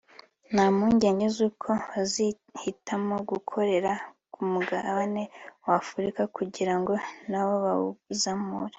nta mpungenge z’uko bazahitamo gukorera ku mugabane wa Afurika kugira ngo nawo bawuzamure